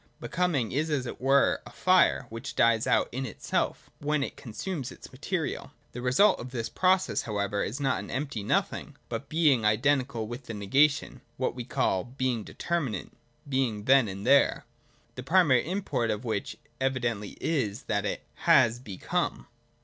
(Becoming is as it were a fire, which dies out in itself, when it consumes its material. The result of this process however is not an empty Nothing, but Being identical with the negation, — what we call Being Determinate (being then and there) : the primary import of which evidently is that it has become.